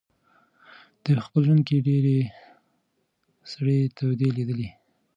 دی په خپل ژوند کې ډېرې سړې تودې لیدلي.